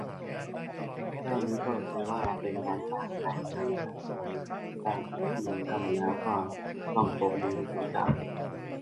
แค่นี้ก็ถือว่า เป็นการสร้างการเมืองแบบใหม่ได้อีกขั้นนึงแล้ว ก็ต้องปรบมือให้คนกล้า